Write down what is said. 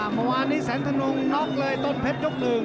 อ่ะมันวานนี้แสนทนงนกเลยต้นเพชรยกหนึ่ง